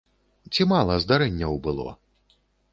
Ці мала здарэнняў было?